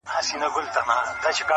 بس همدومره مي زده کړي له استاده!